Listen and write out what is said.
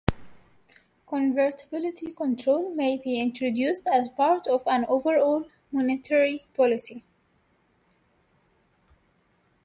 Convertibility controls may be introduced as part of an overall monetary policy.